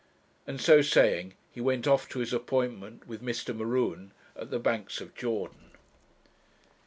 And so saying he went off to his appointment with Mr. M'Ruen at the 'Banks of Jordan.'